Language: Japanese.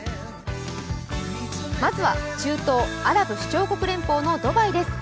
まずは中東、アラブ首長国連邦のドバイです。